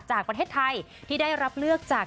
จากประเทศไทยที่ได้รับเลือกจาก